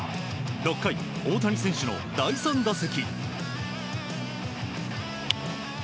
６回、大谷選手の第３打席。